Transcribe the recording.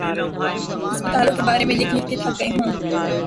ہسپتالوں کے بارے میں لکھ لکھ کے تھک گئے ہوں۔